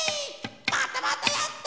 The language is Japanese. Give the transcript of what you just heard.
またまたやった！